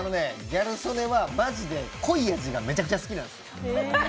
ギャル曽根はマジで濃い味がめちゃくちゃ好きなんです。